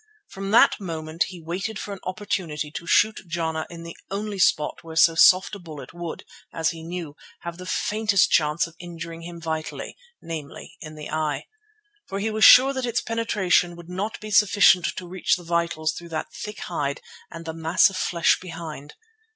From that moment he waited for an opportunity to shoot Jana in the only spot where so soft a bullet would, as he knew, have the faintest chance of injuring him vitally—namely, in the eye—for he was sure that its penetration would not be sufficient to reach the vitals through that thick hide and the mass of flesh behind.